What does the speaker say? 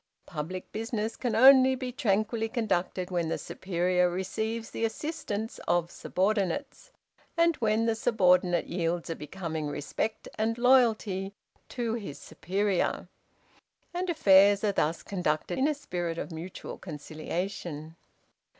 Public business can only be tranquilly conducted when the superior receives the assistance of subordinates, and when the subordinate yields a becoming respect and loyalty to his superior, and affairs are thus conducted in a spirit of mutual conciliation.